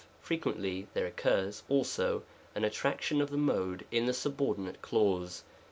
Frequently there occurs, also, an attraction of the mode in the subordinate clause.